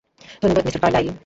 ধন্যবাদ, Mister Carlyle.